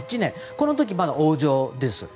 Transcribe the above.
この時まだ女王です。